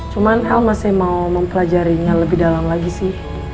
cuman el masih mau mempelajarinya lebih dalam lagi sih